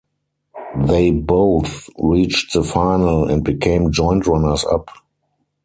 They both reached the final, and became joint runners-up.